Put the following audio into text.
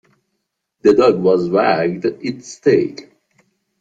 The dog was wagged its tail.